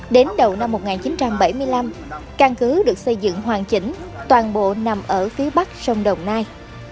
đến đầu năm một nghìn chín trăm bảy mươi năm căn cứ được xây dựng hoàn chỉnh toàn bộ nằm ở phía bắc sông đồng nai